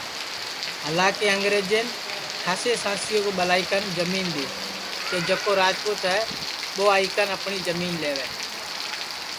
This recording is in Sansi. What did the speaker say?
ہالا کے انگرجین کھاسے سانسیں کُو ٻلائی کن جمین دؔی کہ جکو راجپوت ہے ٻو آئی کن اپٹؔی جمین لیوئے